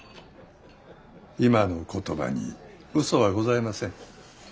今の言葉にうそはございません。